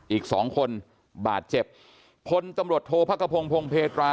อีกสองคนบาดเจ็บพลตำรวจโทษพระกระพงพงเพตรา